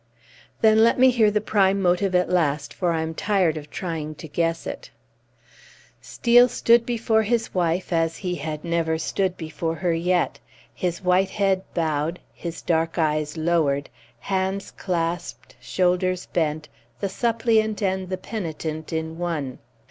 "Then let me hear the prime motive at last, for I am tired of trying to guess it!" Steel stood before his wife as he had never stood before her yet, his white head bowed, his dark eyes lowered, hands clasped, shoulders bent, the suppliant and the penitent in one.